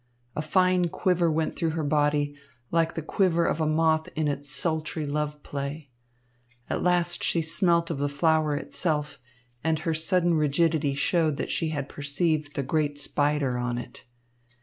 A fine quiver went through her body, like the quiver of a moth in its sultry love play. At last she smelt of the flower itself, and her sudden rigidity showed that she had perceived the great spider on it.